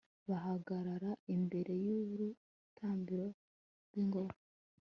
bahagarara imbere y'urutambiro rw'ingoro